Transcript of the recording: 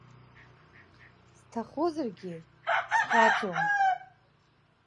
Сҭахозаргьы схьаҵуам.